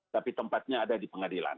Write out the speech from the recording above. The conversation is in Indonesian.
tapi tempatnya ada di pengadilan